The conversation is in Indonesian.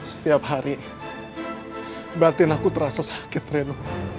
setiap hari batin aku terasa sakit reno